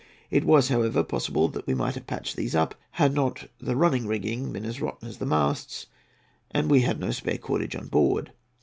It was, however, possible that we might have patched these up, had not the running rigging been as rotten as the masts, and we had no spare cordage on board.